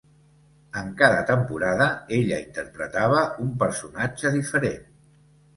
En cada temporada, ella interpretava un personatge diferent.